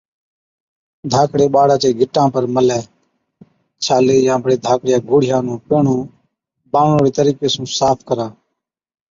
ڌاڪڙي ٻاڙا چي گِٽا پر ملَي، ڇالي يان بڙي ڌاڪڙِيا گوڙهِيا نُون پيهڻُون باڻوڙي طريقي سُون صاف ڪرا